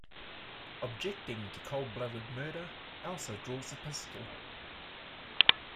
Objecting to cold-blooded murder, Elsa draws a pistol.